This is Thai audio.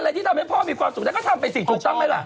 อะไรที่ทำให้พ่อมีความสุขแล้วก็ทำไปสิถูกต้องไหมล่ะ